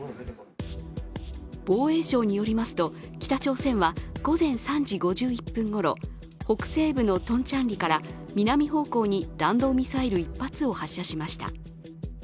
防衛省によりますと北朝鮮は午前３時５１分ごろ、北西部のトンチャンリから南方向に弾道ミサイル１発を発射しました。